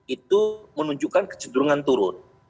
itu menunjukkan kecederungan turun